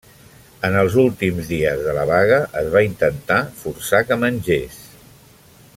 En els últims dies de la vaga es va intentar forçar que mengés.